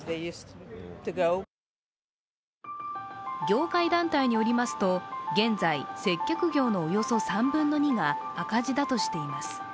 業界団体によりますと現在、接客業のおよそ３分の２が赤字だとしています。